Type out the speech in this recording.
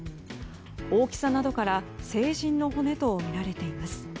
大きさなどから成人の骨とみられています。